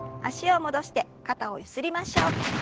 脚を戻して肩をゆすりましょう。